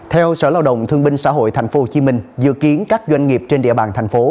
theo sở lao động thương binh xã hội tp hcm dự kiến các doanh nghiệp trên địa bàn thành phố